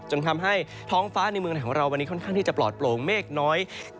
จนทำให้ท้องฟ้าในเมืองของเราที่จะปลอดโปลงแม่งน้อย